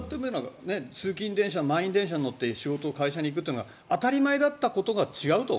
通勤電車満員電車に乗って仕事、会社に行くという当たり前だったことが違うと。